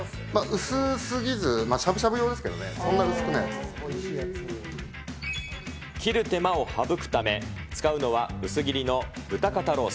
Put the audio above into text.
薄すぎず、しゃぶしゃぶ用で切る手間を省くため、使うのは薄切りの豚肩ロース。